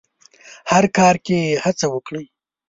هر کار کې هڅه وکړئ.